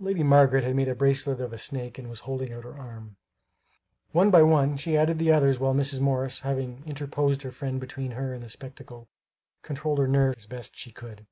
Lady Margaret had made a bracelet of a snake and was holding out her arm. One by one she added the others while Mrs. Morris, having interposed her friend between her and the spectacle, controlled her nerves as best she could.